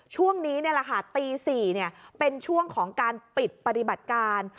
ช่วงนี้ตี๔เป็นช่วงของการปิดปฏิบัติการ